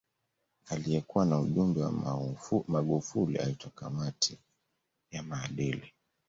Aliyekuwa na ujumbe wa Magufuli aitwa kamati ya maadili